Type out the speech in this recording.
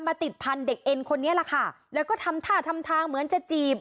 ติดพันธุ์เด็กเอ็นคนนี้แหละค่ะแล้วก็ทำท่าทำทางเหมือนจะจีบ